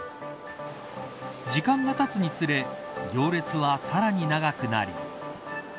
時間が経つにつれ行列は、さらに長くなり。